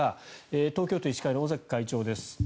東京都医師会の尾崎会長です。